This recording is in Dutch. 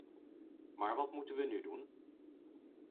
Maar wat moeten we nu doen?